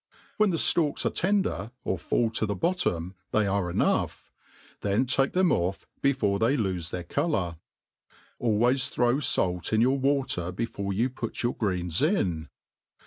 When the flalks are tender, or^ fall to the bottom, they are enough } then take them oiF, be fore they lofe their colour. Always throw fait in your water before you put your greens in.